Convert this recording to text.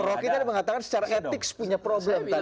roky tadi mengatakan secara etik punya problem tadi katanya